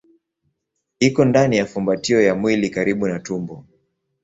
Iko ndani ya fumbatio ya mwili karibu na tumbo.